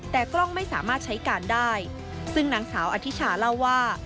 แต่กล้องไม่สามารถใช้การได้ซึ่งนางสาวอธิชาเล่าว่า